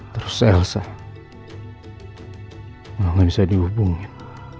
terus elsa gak bisa dihubungin